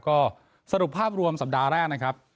ก็สรุปภาพรวมสัปดาห์แรกนะครับ